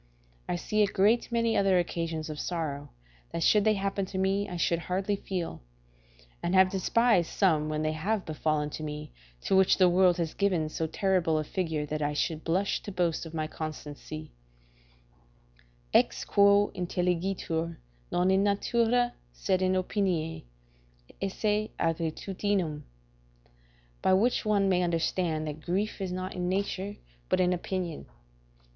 I see a great many other occasions of sorrow, that should they happen to me I should hardly feel; and have despised some, when they have befallen me, to which the world has given so terrible a figure that I should blush to boast of my constancy: "Ex quo intelligitur, non in natura, sed in opinione, esse aegritudinem." ["By which one may understand that grief is not in nature, but in opinion."